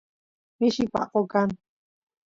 mishi paqo kan